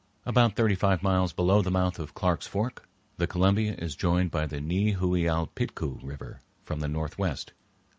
About thirty five miles below the mouth of Clark's Fork the Columbia is joined by the Ne whoi al pit ku River from the northwest.